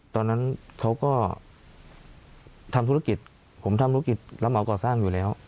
ตอนนั้นเขาก็ทำธุรกิจผมทำธุรกิจรับเหมาก่อสร้างอยู่แล้ว